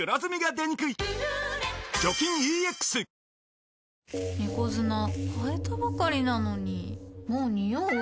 わかるぞ猫砂替えたばかりなのにもうニオう？